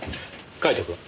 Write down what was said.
カイトくん。